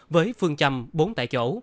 với phương châm bốn tại chỗ